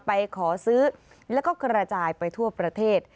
ไปขอซื้อแล้วก็กระจายไปทั่วประเทศ